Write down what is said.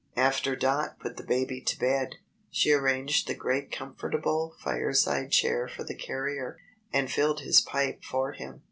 After Dot put the baby to bed, she arranged the great comfortable fireside chair for the carrier, and filled his pipe for him.